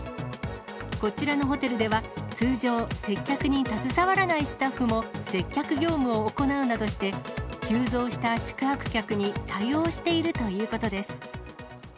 こちらのホテルでは、通常、接客に携わらないスタッフも接客業務を行うなどして、急増した宿泊客に対応しているということです。